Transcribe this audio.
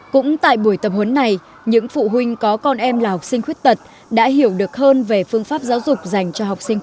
cũng tại buổi tập huấn này những phụ huynh có con em là học sinh khuyết tật đã hiểu được hơn về phương pháp giáo dục